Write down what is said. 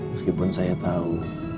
meskipun saya tahu